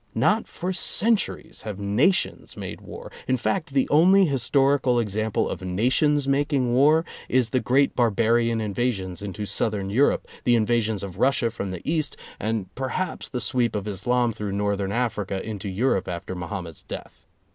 Not for centuries have nations made war; in fact the only historical example of nations making war is the great barbarian invasions into southern Europe, the invasions of Russia from the East, and per [i6 4 ] haps the sweep of Islam through Northern Africa into Europe after Mohammed's death.